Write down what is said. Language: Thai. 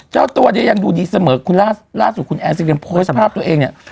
เจ้าตัวเนี่ยยังดูดีเสมอคุณล่าสุดคุณแอนซีเรียมโพสต์ภาพตัวเองเนี่ย